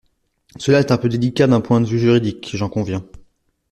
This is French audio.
Cela est un peu délicat d’un point de vue juridique, j’en conviens.